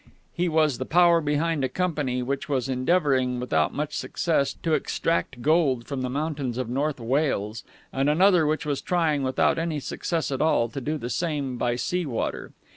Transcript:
He was the power behind a company which was endeavoring, without much success, to extract gold from the mountains of North Wales, and another which was trying, without any success at all, to do the same by sea water.